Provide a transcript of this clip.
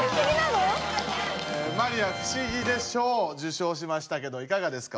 マリア「不思議で賞」を受賞しましたけどいかがですか？